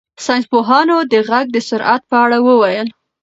ساینس پوهانو د غږ د سرعت په اړه وویل.